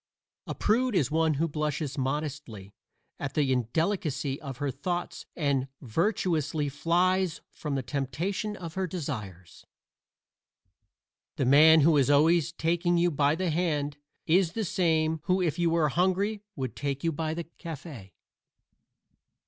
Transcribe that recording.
A prude is one who blushes modestly at the indelicacy of her thoughts and virtuously flies from the temptation of her desires. The man who is always taking you by the hand is the same who if you were hungry would take you by the cafe.